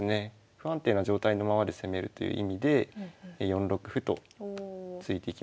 不安定な状態のままで攻めるという意味で４六歩と突いていきました。